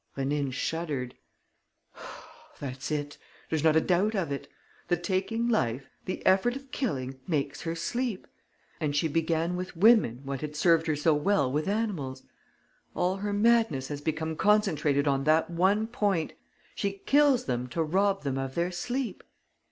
Rénine shuddered: "That's it! There's not a doubt of it! The taking life, the effort of killing makes her sleep. And she began with women what had served her so well with animals. All her madness has become concentrated on that one point: she kills them to rob them of their sleep!